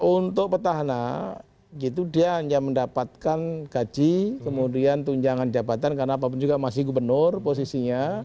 untuk petahana dia hanya mendapatkan gaji kemudian tunjangan jabatan karena apapun juga masih gubernur posisinya